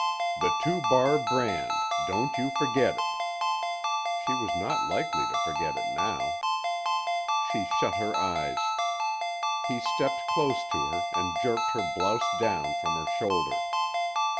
"The Two Bar Brand, don't you fergit it!" She was not likely to forget it now. She shut her eyes. He stepped close to her and jerked her blouse down from her shoulder.